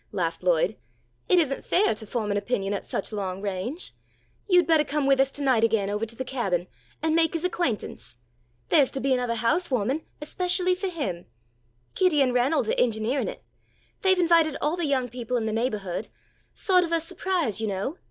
laughed Lloyd. "It isn't fair to form an opinion at such long range. You'd bettah come with us tonight again ovah to the Cabin, and make his acquaintance. There's to be anothah housewahming, especially for him. Kitty and Ranald are engineering it. They've invited all the young people in the neighbourhood sawt of a surprise you know.